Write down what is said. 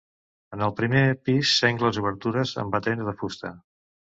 En el primer pis sengles obertures amb batents de fusta.